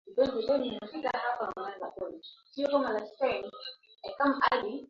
sa mkuu anayepata nafasi ya kula